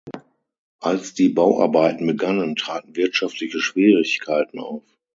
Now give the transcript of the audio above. Als die Bauarbeiten begannen, traten wirtschaftliche Schwierigkeiten auf.